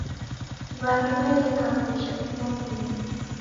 W'andu w'eleka kujha ivo vindo.